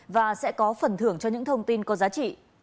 và sẽ có phần thưởng cho những thông tin có giá trị